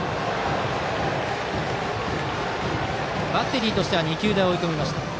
バッテリーとしては２球で追い込みました。